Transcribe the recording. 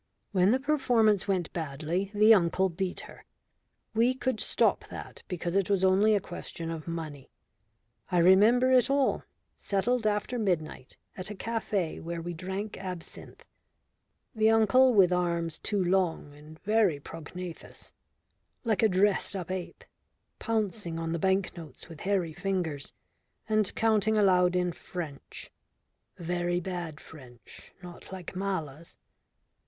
When the performance went badly, the uncle beat her. We could stop that because it was only a question of money. I remember it all settled after midnight at a café where we drank absinthe the uncle with arms too long and very prognathous, like a dressed up ape, pouncing on the bank notes with hairy fingers and counting aloud in French, very bad French, not like Mala's.